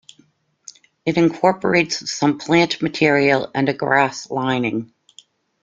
It incorporates some plant material and a grass lining.